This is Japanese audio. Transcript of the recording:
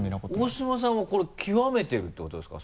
大島さんはこれ極めてるってことですか？